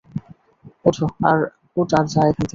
ওঠ আর যা এখান থেকে!